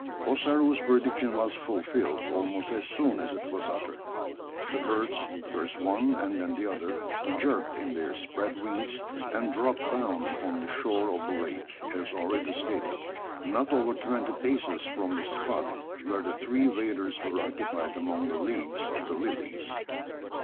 Ossaroo's prediction was fulfilled, almost as soon as it was uttered. The birds, first one and then the other, jerked in their spread wings; and dropped down upon the shore of the lake as already stated, not over twenty paces from the spot where the three waders were occupied among the leaves of the lilies.